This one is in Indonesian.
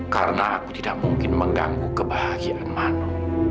karena aku tidak mungkin mengganggu kebahagiaan mano